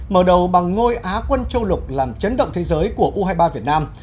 mở đầu bằng ngôi á quân châu lục làm chấn động thế giới của u hai mươi ba việt nam